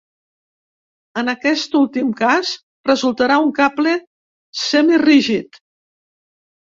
En aquest últim cas resultarà un cable semirígid.